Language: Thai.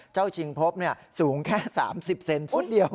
เจ้าชิงพรพเนี้ยสูงแค่๓๐เซนติเมตรพุทธเดียว